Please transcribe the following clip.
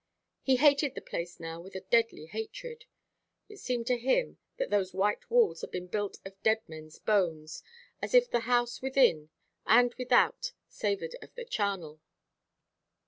He hated the place now with a deadly hatred. It seemed to him that those white walls had been built of dead men's bones, as if the house within and without savoured of the charnel.